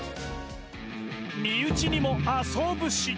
身内にも麻生節。